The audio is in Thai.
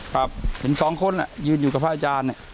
ครับเห็นสองคนอ่ะยืนอยู่กับพระอาจารย์เนี่ย